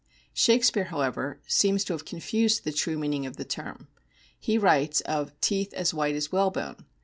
Shakespeare, however, seems to have confused the true meaning of the term. He writes of "teeth as white as whalebone."